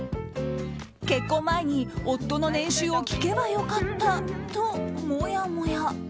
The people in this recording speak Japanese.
結婚前に夫の年収を聞けばよかったともやもや。